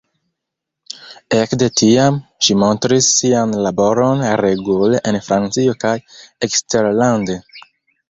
Ekde tiam, ŝi montris sian laboron regule en Francio kaj eksterlande.